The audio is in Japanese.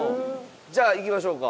じゃあ行きましょうか。